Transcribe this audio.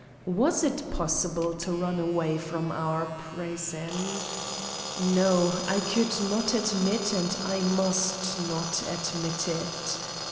Was it possible to run away from our prison? No, I could not admit and I must not admit it.